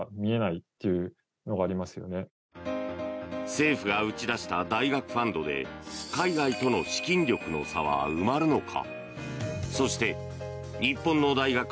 政府が打ち出した大学ファンドで海外との資金力の差は埋まるのか？